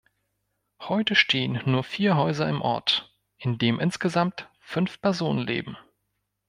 Heute stehen nur vier Häuser im Ort, in dem insgesamt fünf Personen leben.